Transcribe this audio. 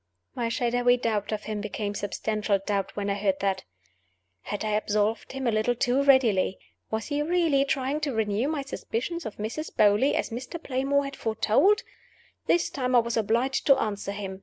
My shadowy doubt of him became substantial doubt when I heard that. Had I absolved him a little too readily? Was he really trying to renew my suspicions of Mrs. Beauly, as Mr. Playmore had foretold? This time I was obliged to answer him.